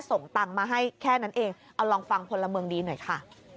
ส่งตังค์มาให้แค่นั้นเองเอาลองฟังพลเมืองดีหน่อยค่ะ